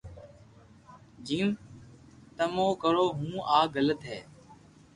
جيم تموو ڪرو ھون آ غلط ي